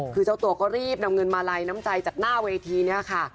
คือเจ้าตัวก็รีบนำเงินมาลัยน้ำใจจากหน้าเวทีนี้ค่ะ